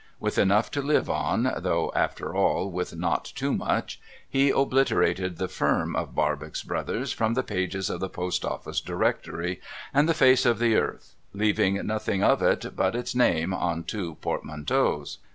With enough to live on (though, after all, with not too much), he obliterated the firm of Barbox Brothers from the pages of the Post Office Directory and the face of the earth, leaving nothing of it but its name on two portmanteaus.